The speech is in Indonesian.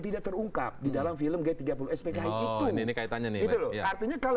tahun dua ribu dua ya